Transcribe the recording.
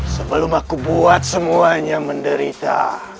sebelum aku buat semuanya menderita